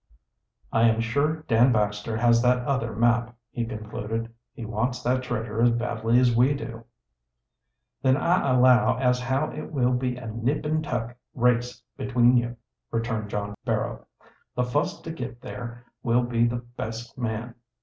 "I am sure Dan Baxter has that other map," he concluded. "He wants that treasure as badly as we do." "Then I allow as how it will be a nip an' tuck race between you," returned John Barrow. "The fust to get there will be the best man.